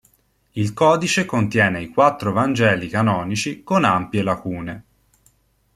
Il codice contiene i quattro vangeli canonici con ampie lacune.